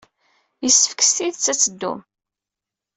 Yessefk s tidet ad teddum.